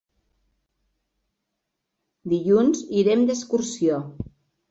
Dilluns irem d'excursió.